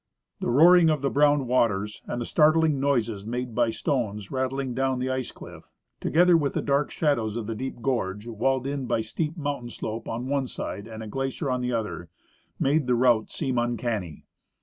The roaring of the brown waters and the startling noises made by stones rattling down the ice cliff, together with the dark shadows of the deep gorge, walled in by a steep mountain slope on one side and a glacier on the other, made the route seem uncanny.